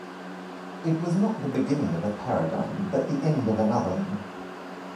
It was not the beginning of a paradigm, but the end of another one.